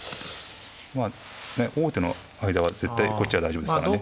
まあ王手の間は絶対こっちは大丈夫ですからね。